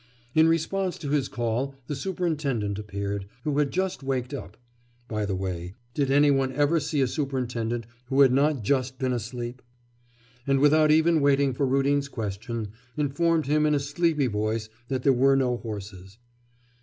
In response to his call the superintendent appeared, who had just waked up (by the way, did any one ever see a superintendent who had not just been asleep?), and without even waiting for Rudin's question, informed him in a sleepy voice that there were no horses.